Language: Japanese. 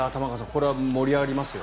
これは盛り上がりますよ。